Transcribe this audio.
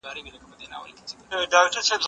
زه باید کار وکړم!